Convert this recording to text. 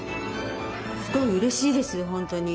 すごいうれしいです本当に。